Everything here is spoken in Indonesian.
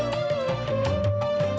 jangan lupa ada